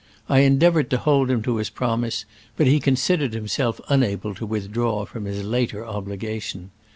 I endeavored to hold him to his promise, but he considered himself unable to withdraw from his later obligation.